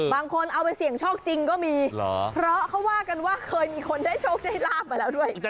บางคนเอาไปเสี่ยงโชคจริงก็มีเพราะเขาว่ากันว่าเคยมีคนได้โชคได้ลาบมาแล้วด้วย